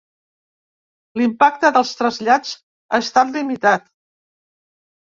I l’impacte dels trasllats ha estat limitat.